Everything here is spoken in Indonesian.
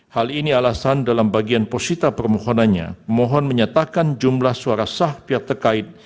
hal ini alasan dalam bagian posita permohonannya mohon menyatakan jumlah suara sah pihak terkait